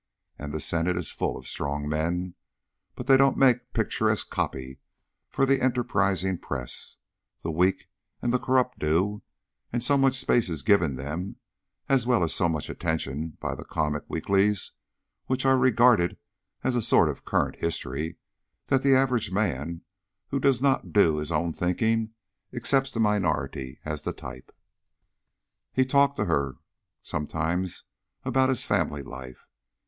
And the Senate is full of strong men. But they don't make picturesque 'copy' for the enterprising press; the weak and the corrupt do, and so much space is given them, as well as so much attention by the comic weeklies, which are regarded as a sort of current history, that the average man, who does not do his own thinking, accepts the minority as the type." He talked to her sometimes about his family life.